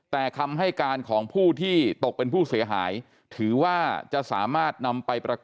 แต่คำให้การของผู้ที่ตกเป็นผู้เสียหาย